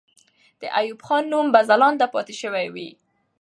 د ایوب خان نوم به ځلانده پاتې سوی وي.